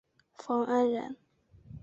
冯恩人。